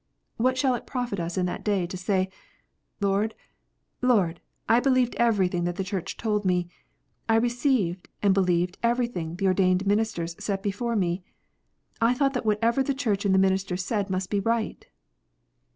What shall it profit us in that day to say, " Lord, Lord, I believed every thing the Church told me. I received and believed everything ordained ministers set before me. I thought that whatever the Church and the ministers said must be right